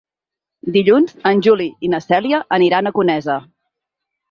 Dilluns en Juli i na Cèlia aniran a Conesa.